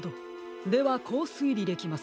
ではこうすいりできますね。